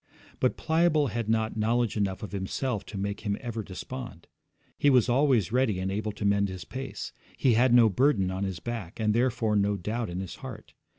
But Pliable had not knowledge enough of himself to make him ever despond. He was always ready and able to mend his pace. He had no burden on his back, and therefore no doubt in his heart.